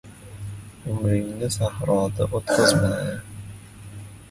— Umringni sahroda o‘tkazma.